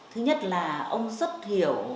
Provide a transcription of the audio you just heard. thứ nhất là ông rất hiểu